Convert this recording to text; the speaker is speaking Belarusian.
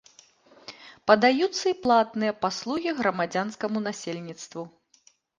Падаюцца і платныя паслугі грамадзянскаму насельніцтву.